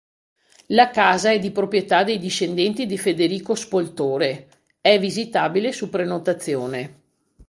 La casa è di proprietà dei discendenti di Federico Spoltore, è visitabile su prenotazione.